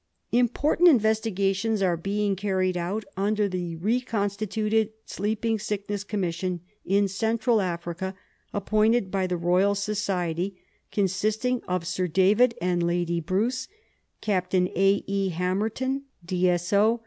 Important investigations are being carried out under the re constituted Sleeping Sickness Commission in Central Africa appointed by the Royal Society, consisting of Sir David and Lady Bruce, Captain A. E. Hamerton, D.S.O.